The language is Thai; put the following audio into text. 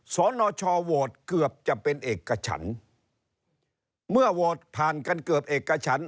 สอนอชอโวทเกือบจะเป็นเอกกระฉัน